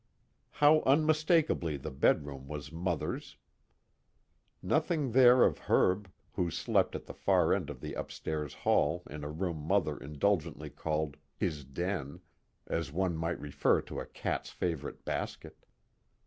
How unmistakably the bedroom was Mother's! Nothing there of Herb, who slept at the far end of the upstairs hall in a room Mother indulgently called "his den," as one might refer to a cat's favorite basket.